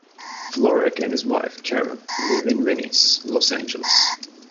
Florek and his wife, Karen, live in Venice, Los Angeles.